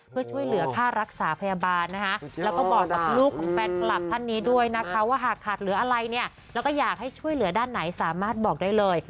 เพื่อช่วยเหลือค่ารักษาพยาบาลนะคะแล้วก็บอกกับลูกของแฟนคลับท่านนี้ด้วยนะคะว่าหากขาดเหลืออะไรเนี่ยแล้วก็อยากให้ช่วยเหลือด้านไหนสามารถบอกได้เลย